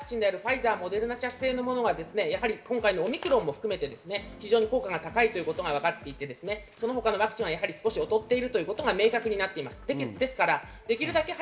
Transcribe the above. ｍＲＮＡであるファイザー、モデルナ製は、今回のオミクロンも含めて効果が高いことがわかっていて、その他のワクチンは少し劣っているということが明確になっています。